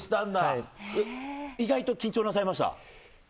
意外と緊張なさいました？